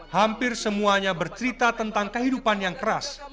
hampir semuanya bercerita tentang kehidupan yang keras